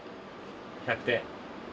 １００点。